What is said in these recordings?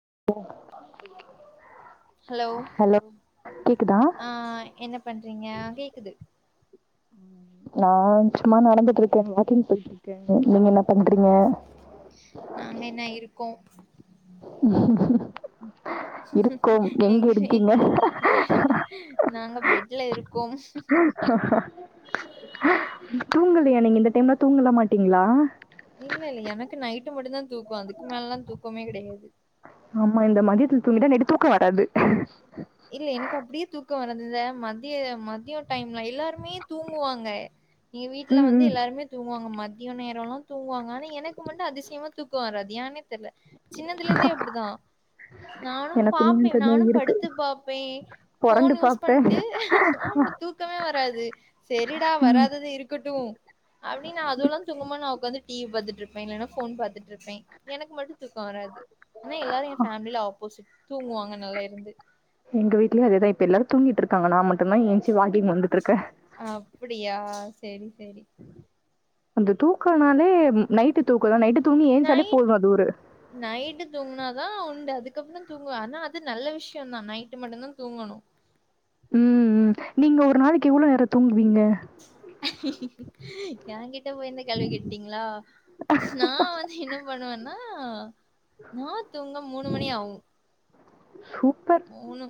[inaudible] Hello hello கேக்குதா ஆ என்ன பண்றீங்க கேக்குது நா சும்மா நடந்துட்டு இருக்கே வாக்கிங் போயிட்டு இருக்கே நீங்க என்ன பண்றீங்க நாங்க என்ன இருக்கோ க்குங் நாங்க பெட்ல இருக்கோ தூங்கலையா நீங்க இந்த டைம்லா தூங்கலா மாட்டீங்களா இல்ல இல்ல எனக்கு நைட்டு மட்டு தா தூக்கோ அதுக்கு மேலலா தூக்கமே கடையாது ஆமா இந்த மதியத்துல தூங்கிட்டா நைட்டு தூக்கோ வராது இல்ல எனக்கு அப்படியே தூக்கோ வரதுதே மதிய மதியோ டைம்ல எல்லாருமே தூங்குவாங்க எ வீட்டுல ம் வந்து ம் எல்லாருமே தூங்குவாங்க மத் ய நேரோலா தூங்குவாங்க ஆனா எனக்கு மட்டு அதிசயமா தூக்கோ வராது யானே தெரில சின்னதுல இருந்தே அப்டிதா நானு எனக்கு பாப்பே கொஞ்சோ நானு படு இருக்கு டுபாப்பே ஃபோன் பொறண்டு யூஸ் பாப்பே பண்ணிட்டு ஆமா தூக்கமே வராது செரிடா ம் வராதது இருக்கட்டு அப்டி நா அதுவலா தூங்கமா நா உக்காந்து டிவி பாத்துட்டு இருப்பே இல்லன்னா ஃபோன் பாத்துட்டு இருப்பே எனக்கு மட் டும் தூக்கோ வராது ஆனா எல்லாரு எ ஃபேமிலில ஆப்போசிட் தூங்குவாங்க நல்லா இருந்து எங்க வீட்லயு அதேதா இப்ப எல்லாரு தூங்கிட்டு இருக்காங்க நா மட் டுதா ஏந்ச்சி வாக்கிங் வந்துட்டு இருக்கே அப்டியா செரி செரி அந்த தூக்கனாலே நைட்டு தூக்கதா நைட்டு தூங்கி ஏஞ்சாலே போது நைட் அது ஒரு நைட்டு தூங்கினாதா உண்டு அதுக் கு அப்புற தூங்குவே ஆனா அது நல்ல விஷயந்தா நைட்டு மட்டுந்தா தூங்கணு உ உ நீங்க ஒரு நாளைக்கு எவ்வளோ நேரோ தூங்குவீங்க எ கிட்ட போயி இந்த கேள்வி கேட்டீங்களா நா வந்து என்ன பண்ணுவேன்னா ஆ நா தூங்க மூணு மணி ஆவு சூப்பர் மூணு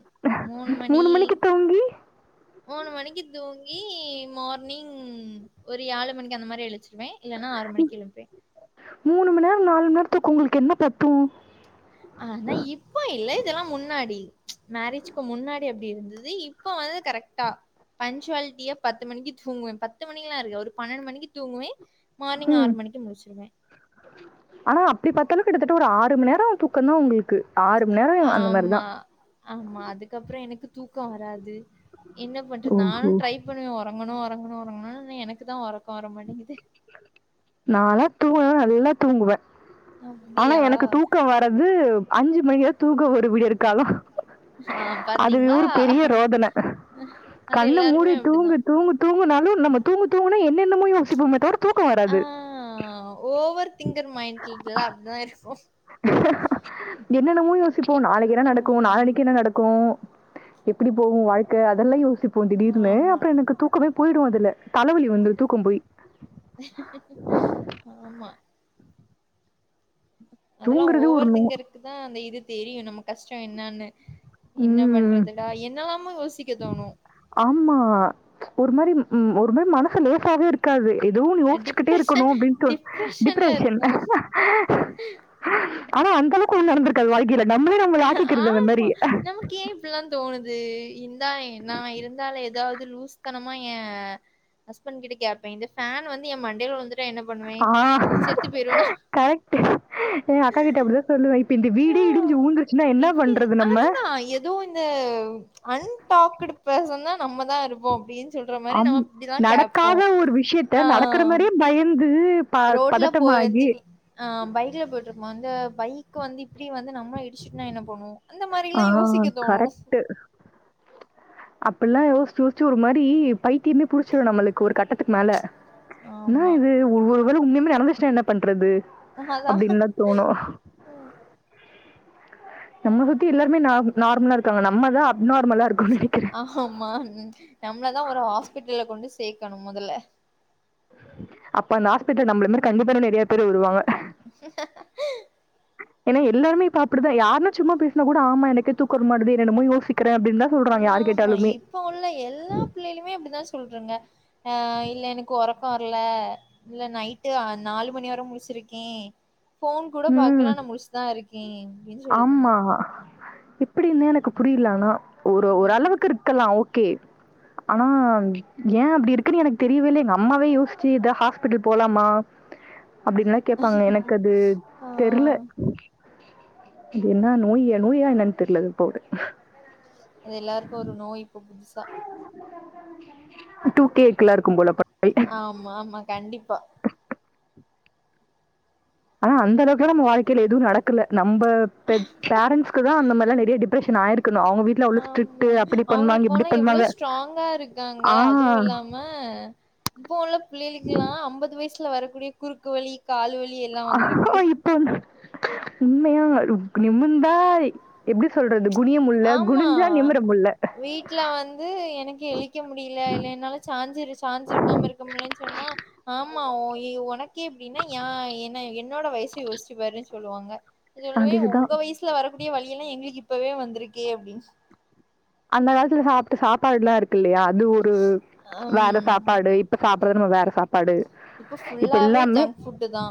மூணு மணி மணிக்கு தூங்கி மூணு மணிக்கு தூங்கி மார்னிங் ஒரு யாழு மணிக்கு அந்த மாரி எழுந்ச்சிருவே இல்லன்னா ஆறு மணிக்கு எழும்பே மூணு மண் நேரோ நாலு மணி நேரத்தூக்கோ உங்களுக்கு என்ன பத்து ஆனா இப்போ இல்ல இதெல்லா முன்னாடி மேரேஜ்கு முன்னாடி அப்டி இருந்தது இப்ப வந்து கரெக்டா பஞ்ச்வால்ட்டியா பத்து மணிக்கு தூங்குவே பத்து மணிக்குலா இருக்கு ஒரு பன்னெண்டு மணிக்கு தூங்குவே மார்னிங் ம் ஆறு மணிக்கு முளிச்சிருவே க கிட்டத்தட்ட ஒரு ஆறு மணி நேரோ தூக்கந் தா உங்களுக்கு ஆறு மண் நேரோ அந்த மாரிதா ஆமா ஆமா அதுக்கு அப்புற எனக்கு தூக் க்கோவராது என்ன பண்றத் நானு ஓஹோ ட்ரை பண்ணுவ ஒரங்கணு ஒரங்கணு [unintelligible] எனக்கு தா ஒரக் நாளா தூங்க நல்லா தூங்குவே ஆனா அப்டியா எனக்கு தூக்க வரது அஞ்சு மணிக்கு தா தூக்க ஒரு வீடியர் காலோ ஆ அது பாத்தீங்களா ஒரு பெரிய ரோதன அது கண்ணு மூடி எல்லாருக்குமே அப்டிதா தூங்கு தூங்கு தூங்குனாலு நம்ம தூங்கு தூங்குனா என்ன இன்னுமே யோசிப்போமே தவர தூக்கோ ஆ வராது ஓவர் திங்கர் மைண்ட்லா அப்டிதா இருக்கு என்ன இன்னமோ யோசிச் இப்போ நாளைக்கு என்ன நடக்கு ம் நாலானைக்கு என்ன நடக்கு எப்படி போகு வாழ்க்க அதெல்லா யோசி போ ந்திடிர்னு ஆமா அப்புற எனக்கு தூக்கமே போயிடு அதுல தலைவலி வந் ஆமா அதெல்லா தூங்குறது ஒரு நோ ஒவொருத்திங்கருக்கு தா அந்த இது தெரியு நம்ம கஷ்டோ என்னன்னு என்ன ம். பண்றதுடா என்ன எல்லாமோ யோசிக்க தோணு உ ஒரும மனசு லேசாவே இருக்காது எதுவு யோசிச்சுக்கிட்டே இருக்கணு டிப்ரெஷன் அப்படின்னுதோ டிப்ரெஷன்ல டிப்ரஷன் இருப்போ ஆனா அந்த அளவுக்கு ஒன்னு நடந்திருக்காது வாழ்கைல நம்மளே நம்ம ஆக்கிக்கிறது அந்த மாரி ஆமா. நமக்கு ஏ இப்டிலா தோணுது இந்தா ஏ நா இருந்தால ஏதாவது லூஸ் தனமா எ ஹஸ்பண்ட் கிட்ட கேப்பே இந்த ஃபேன் வந்து எ மண்டேல வுழுந்துட் ஆ கரெக்டு எ அக்கா கிட்ட அப்படிதா சொல்லுவே இப்ப இந்த வீடே யா இடிஞ்சு ஊழுந்துருச் இப்படி அதுதா ஏதோ இந்த அன் டாக்டு பேசன்னா நம்ம தா இருப்போ அப்படின்னு சொல்ற மாரி அம் நம்ம இப்படிலாம் நடக்காத கேட்போம். ஒரு விஷயத்த ஆ நடக்ககுற மேரியே பயந் ரோட்ல போய்திங் ஆ பைக்ல போயிட்டுருப்போ அ பைக் வந்து இப்பிடி வந்து நம்மள இடிச்சிட்டுனா என்ன பண்ணுவோ அந்த மாரி ஆ எல்லா யோசிக்க தோணு அப்பில்லா யோசிச்சு யோசிச்சு ஒரு மாரி பைத்தியமே புடிச்சிடு நம்ளுக்கு ஒரு கட்டத்துக்கு மேல இன்னா ஆமா. இது ஒவ்வொரு ஒரு வேள உண்யாமே நடந்துச்சுனா என்ன பண்றது அதான். அப்பிடின்தா தோணு நம்ம சுத்தி எல்லாருமே நார் நார்மலா இருக்காங்க நம்மதா ஆஹ் மா நம்மளதா ஒரு ஹாஸ்பிட்டல்ல கொண்டு சே சேக்கணு முதல்ல அப்ப அந்த ஹாஸ்பிடல் நம்மள மேரி கண்டிப்பா இன்னு நெறைய பேர் வருவாங்க [inaudible] ஹெஹா ஏன்னா எல்லாருமே இப்ப அப்பிடிதா யாருனா சும்மா பேசனா கூட ஆமா எனக்கே தூக்கோ வரமாட்டுது என்னென்னமோ யோசிக் ஆமா இப்ப உள்ள எல்லா பிள்ளைலுமே அப்பிடிதா சொ சொல்லுருங்க ஆ இல்ல எனக்கு ஒரக்கோ வரல இல்ல நைட்டு நாலு மணி வர முழிச்சிருக்கே ஃபோன் கூட ம். பாக்கலா ஆனா முழிச்சதா இருக்கே அப்பிடின் சொல்லுதுங்க எப்பிடின்தா எனக்கு புரியலா ஆனா ஒரு ஓரளவுக்கு இருக்கலா ஓக் கே ஆனா ஏ அப்பிடி இருக்குன்னு எனக்கு தெரியவே இல்ல எங்க அம்மாவே யோசிச்சு இத ஹாஸ்பிட்டல் போலாமா அப்பிடின்ல்லா கேப்பாங்க எனக்கு அது ஆ தெரியல அது என்ன நோய் நோய்ய என்னென் தெரிய அது போது அது எல்லாருக்கு ஒரு நோய் இப்ப புதுசா டூகேக்ல்லா இருக்கு போல படங்கள். ஆமா ஆமா கண்டிப்பா ஆனா அந்த அளவுக்குல்லா நம்ம வாழ்க்கைல எதுவு நடக்கல நம் ரொம்ப பெ பேரண்ட்ஸ்குதா அந்த மாரி இல்ல நெறைய டிப்ரஷன் ஆயிருக் ஆமா அவுங்க இப்டி இப்போல்லா எவ்ளோ பண்ணுவாங்க ஸ்ட்ராங்கா இருக்காங்க ஆ அதுவு இல்லாம இப்ப உள்ள பிள்ளைளுக்கெல்லா ஐம்பது வயசு சுல வரக்கூடிய குறுக்கு வலி கால் வலி எல்லா ஆ வந்திருக்கு இப்போ வந்து உண்மையாருக் நிமிந்தா எப்டி சொல்றது குனிய முல்ல ஆமா குனிஞ்சா நிமிர முல்ல. வீட்ல வந்து எனக் கேலி க்க முடியல இல்ல என்னால சாஞ்சிரு சாஞ்சிருக்காம இருக்க முடில்லன்னு சொன்னா ஆம் ஆமா ஒ இ உனக் கே இப்டின்னா யா என்ன என் என்னோட வயசு யோசிச்சு பாரு சொல்லுவாங்க சொல்லுவே அதுதான். உங்க வயசுல வரக் புதிய வலிய எல்லா எங்களுக்கு இப்பவே வந்திருக்கு ஏ அப்டின்ஸ் அந்த காலத்துல சாப்பிட்டு சாப்பாடு எல்லா இருக்குல்லயா தூரு வேற ம் சாப்பாடு இப்ப சாப் பிரகு வேற சாப் படு இப்ப ஃபுல்லாவே எல்லாமே ஜங்க் ஃபுட்டு தா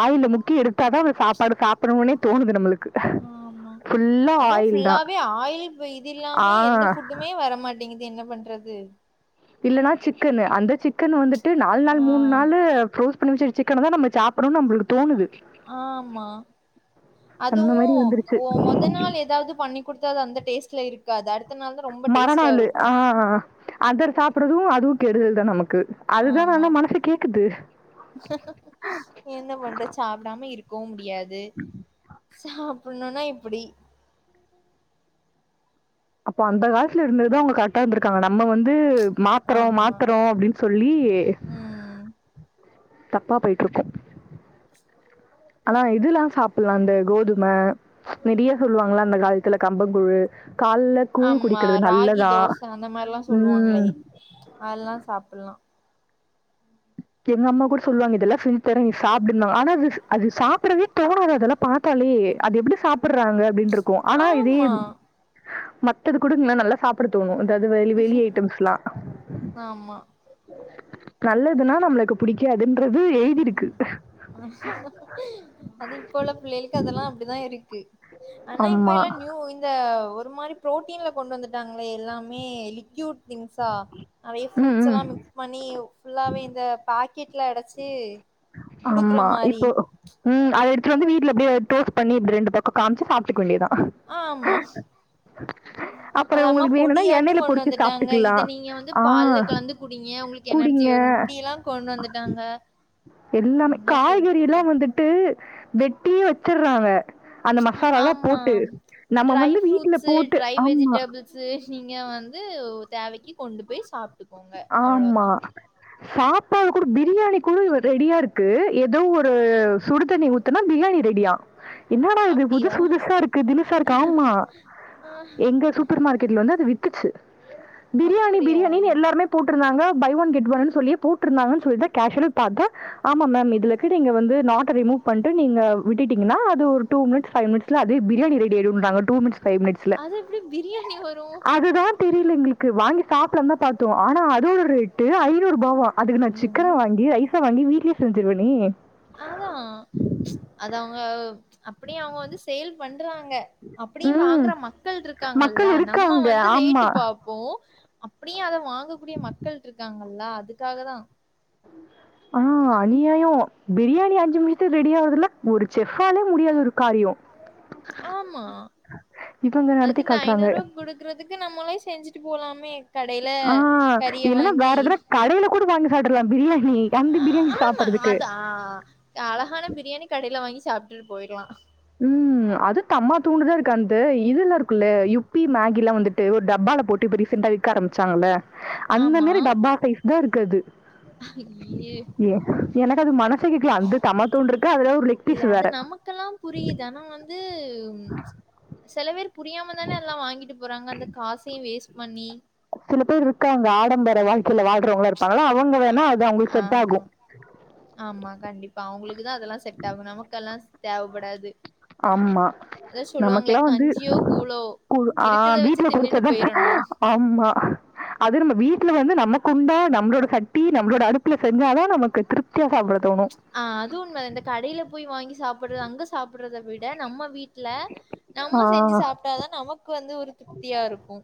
ஆயிலு முக்கி எடுத்தாதா சாப்பாடு சாப்பிடணுனே தோணுது நம்மளுக்கு ஆ ஆமா ஃபுல்லா அதும் ஆயில் தான். ஃபுல்லாவே ஆயில் வேதி ஆ ஃபுல்லாமே எந்த ஃபுட்டுமே வர மாட்டேங்குது இது என்ன பண்றது இல்லன்னா சிக்கனு அந்த சிக்கன் வந்துட் ட்டு நாலு நாள் ஆ மூணு நாலு புருஸ் [unintelligible] சிக்கன தான் நம சாப்பிடு நம்மளுக் ஆமா அந்த அதுவு மாரி வந்துருச்சு. ஓ மொத நாள் ஏதாது பண்ணி குடுத்த அது அந்த டேஸ்ட்ல இருக்கு க்கா தட் நாள் தா ரொம்ப டேஸ்ட்டா மறநாளு ஆ அத சாப்பறதும் அது கெடுதல்தா நமக் ஆமா என்ன பண்ற சாப்டாம இருக் போ முடியாது இது சாப் பண்ணுனா இப்டி அப்போ அந்த காலத்துல இருந்துது தா அவங்க கரெக்டா இருந்திருக்காங்க நம்ம வந்து மாத்றோ ஆமா மாத்றோ அப்டின்னு சொல்லி ம் தப்பா போயிட்ருப்போ ஆனா இதுல்லா சாப் இதுலந்த கோதும நெறிய சொல்லுவாங்களா அந்த காலத்துல கம்ப புழு ஆமா ராகி தோச அந்த மாரிலா சொல்லுவாங்களே ம். அதெல்லா சாப்புலா எங்க அம்மா கூட சொல்லுவாங்க இதெல்லா செஞ்சு தரே நி சாப் அப்டி இருந்தாங் ஆனா அது சா இப்படவே தோணு அது அதெல்லா பாத்தாலே அது எப்டி சாப்பு கூப்றாங்க அப்டின்ட் இருக் இருக்கு ஆனா இது ஆமா இப் மத்தது குடுங்ளே நல்லா சாப்பிட தோணு அந்த அது வெளி வெளி ஐட்டம்ஸ்லா ஆமா நல்லதுனா நம்மளுக்கு புடிக்காது அது இப்போ உள்ள பிள்ளளைகளுக்கு அதெல்லா அப்டிதா இருக்கு ஆனா இப்ப ஆமா. எல்லா நியூ இந்த ஒரு மாரி புரோட்டீன்ல கொண்டு வந்துட்டாங்களே எல்லாமே லிஇக்யூட் திங்ஸா நெறைய ம், ப்ரூட் ம். மிக்ஸ் பண்ணி ஃபுல்லாவே இந்த பாக்கெட் இல்ல அடச் த்தீ ஆமா இப்போ ம் அது எடுத்துட்டு வந்து வீட்ல எப்டியோ எத்தோ பண்ணி ப்ப ரெண்டு பக்க காமிச்சு சாப்ட்டுக்வேண்டியதா ஆ ஆமா அப்புறம் அதம்மா உங்களுக்கு வேணும்னா பொடியாட்டா எண்ணெயில கொண்டு பொரிச்சு வந்துட்டாங்க இத சாப்பிட்டுக்கலாம். நீங்க வந்து ஆ பால்ல கலந்து குடிங்க உங்களுக்கு எனர்ஜி கூடிங்க வரும் இப்படிய எல்லா கொண்டு வந்துட்டாங்க எல்லாமே என்ன காய்கறி லா சொல்றது வந்துட்டு வெட்டியே வச்சர்றா அவ ஆமா நம்ம ட்ரை வந்து வீட்ல ஃப்ரூட்ஸ் போட்டு ட்ரை ஆமா, வெஜிடபிள்ஸு இங்க வந்து தேவக்கி கொண்டு போய் சாப் ஆமா சாப் அப்ப அது கூட பிரியாணி கூட ரெடியா இருக்கு ஏதோ ஒரு சுடுதண்ணி ஊத்துனா பிரியாணி ரெடியா என்னடா இது அப்டியா புதுசு புதுசா இருக்கு தினுசா இருக்கு ஆமா எங்க சூப்பர் மார்க் கெட்ல வந்து அது வித்துச்சு பிரியாணி அப்டியா பிரியாணின்னு எல்லாருமே இருந்தாங்க பை ஒன் கெட் ஒன் சொல்லி போட்டுருந்தாங்கன் சொல்லிதா கேஷ்வல்லா பாத்தா ஆமாம் மேம் இதுலக்கு நீங்க வந்து நாட் அ ரிமூவ் பண்ட்டு நீங்க விட்டுட்டீங்கன்னா வந்து ஒரு டூ மினிட்ஸ் ஃபைவ் மினிட்ஸ்ல அதுவே பிரியாணி ரெர் ரெடியாயிரும்றாங்க டூ மினிட்ஸ் பைவ் மினிட்ஸ்ல அது எப்டி பிரியாணி வரு அதுதாம் தெரில எங்களுக்கு வாங்கி சாப்லாந்தா பாத்தோ ஆனா அதோட ரேட்டு ஐநூரூபாவா அதுக்கு நா ஐயோ சிக்கன அம்மா வாங்கி ரைஸ வாங்கி வீட்லயேஸ் செஞ்சுருவனே அதா அத அவங்க அப்டியே அவங்க வந்து சேல் பண் பண்றாங்க அப்டியும் ம். வாங்குற மக்கள் இருக்காங்கல்ல மக்கள் நம்ம இருக்காங்க. வந்து ஆமா. ரேட்டு பாப்போ அப்டியே அத வாங்கக்கூடிய மக்கள்ட்ருக்காங்களல்ல அதுக்காகதா ஆ அநியாயோ பிரியாண் ணி அஞ்சு மிநித்துல ரெடி ஆகுதுல்ல ஊறுச்செப் ஆமா இவங்க நடத்தி அதுக்கு இந்த காட்டுறாங்க. ஐநூரூப் குடுக்கறதுக்கு நம்மளே செஞ்சுட்டுப் போலாமே கடைல ஆ கறிய இல்ல வாங்கி வேற எதுனு கடைல கூட வாங்க சாப்டுறலாம் பிரியாண் ஆ ஆமா அதா அழகான பிரியாணி கடைல வாங்கி சாப் ட்டுல் போயிர்லா ம் அது தம்மா தூண்டுதா இருக்கு அந்த இதுல இருக்குல்ல யுப்பி மேகிலா வந்துட்டு ஒரு டப்பால போட்டு இப்ப ரீசெண்டா விக்க ஆரம்பிச்சாங்கல்ல அந்த ஆமா மாரி டப்பா சைஸ்தா இருக் க்கு அது ஐயே. ஏ என்னடா அது மனஸ் சே கேக்கல அந்த தமா தூண்டு இருக்கு அதுல ஒரு லெக் இல்ல பீஸ் அது வேற நமக்கெல்லா புரியுது ஆனா வந்து செலவேர் புரியாமதான எல்லா வாங்கிட்டுப் போறாங்க அந்த காசையு வேஸ் மன்னி சில பேர் இருக்காங்க ஆடம்பர வாழ்க்கையில வாழ்றவங்க ஆமா ஆமா கண்டிப்பா அவுங்களுக்குதா அதெல்லா செட் ஆகு நமக்கெல்லா தேவப்படாது ஆமா அதா சொல்லுவாங்களே நமக்ல்லா வந்து கஞ்சியோ கூழோ ஆ இருக்கிறத வச்சு வீட்ல தின்னுட்டு குடிச்சாதா போயிரணு ஆமா அது நம்ம வீட்ல வந்து நம குண்டா நம்மளோட சட்டி நம்மளோட அடுப்புல செஞ்சாதா நமக்கு திருப்தியா சாப்பிட தோணும் ஆ அது உண்ம இந்த கடயில போய் வாங்கி சாப் அங்க சாப்புறதவிட நம்ம இல்ல ஆ, நம்ம செஞ்சு சாப்ட்டாதா நமக்கு வந்து ஒரு திருப்தியா இருக்கு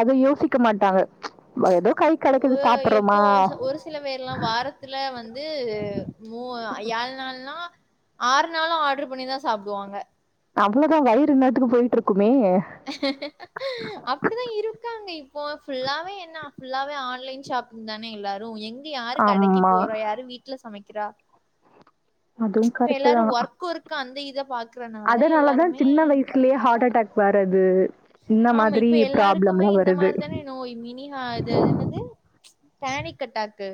அத யோசிக்க மாட்டாங்க ஏதோ கை கிடைக்குது சாப்பிடுறோமா எப்போ ஒரு சில பேர் எல்லா வாரத்ல வந்து மூ யாழ் நாள்ல்லானா ஆறு நாளு ஆட்ரு பண்ணிதா சாப்புடுவாங்க அவ்வளதா வயிறு இன்னாத்துக்கு போயிட்டு இருக்கு அப்டிதா இருக்காங்க இப்போ ஃபுல்லாவே என்ன ஃபுல்லாவே ஆன்லைன் ஷாப்பிங் தான எல்லாரு எங்க யார் கடைக்கு ஆமா போறா யாரு வீட்ல சமைக் க்கிரா அதுவும் இப்ப கரெக்ட் எல்லாரு தான் ஒர்க் ஒர்க் அந்த இத பாக்குறதனால எல்லாருமே வர்ரது ஆமா இப்ப எல்லாருக்குமே இந்த மாதிரிதான நோய் மினிஹா இது அது என்னது பேனிக் அட்டாக்கு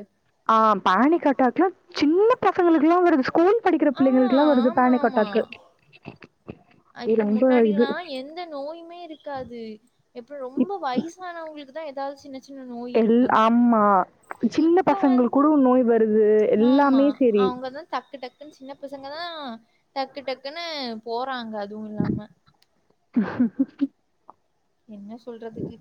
பசங்களுக்கு எலா வருது ஸ்கூல் படிக்கிற ஆ பிள்ளைங்களுக்கு எல்லா வருது ஆமா பேனிக் ஆமா அட்டாக்கு இது இப்ப ரொம்ப முன்னாடி இது எல்லா எந்த நோயுமே இருக்காது இப்ப ரொம்ப இப் வயசானவங்களுக்கு இதா ஏதாவது சின்ன சின்ன நோய் எல் இருக்கு ஆமா சின்ன இப்ப பசங்கள் வந்து கூட நோய் வருது ஆமா எல்லாமே செரி அவுங்கதா டக்கு டக்குனு சின்ன பசங்கதா டக்கு டக்குன்னு போ றாங்க ஹ [unintelligible] என்ன சொல்றதுனே